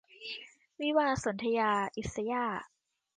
วิวาห์สนธยา - อิสย่าห์